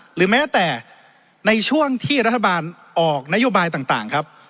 หรือแม้แต่ในช่วงที่รัฐบาลออกนโยบายต่างครับ